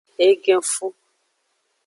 Egenfu.